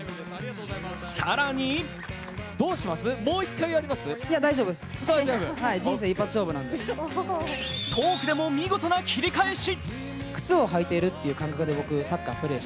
更にトークでも見事な切り返し。